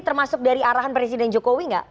termasuk dari arahan presiden jokowi nggak